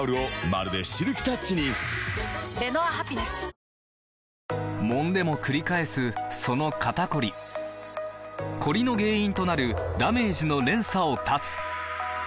続くもんでもくり返すその肩こりコリの原因となるダメージの連鎖を断つ！